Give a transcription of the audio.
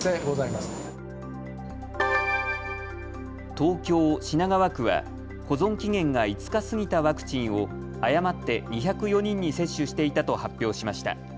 東京品川区は保存期限が５日過ぎたワクチンを誤って２０４人に接種していたと発表しました。